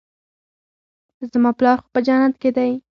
زما پلار خو په جنت کښې دى.